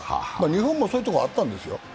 日本もそういうところあったんですよ。